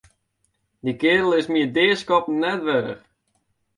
Dy keardel is my it deaskoppen net wurdich.